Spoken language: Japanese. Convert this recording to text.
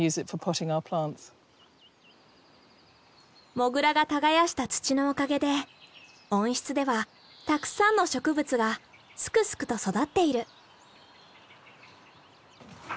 モグラが耕した土のおかげで温室ではたくさんの植物がすくすくと育っている。